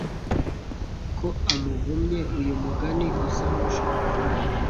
ko amuvumye uyu mugani usa n’ushaka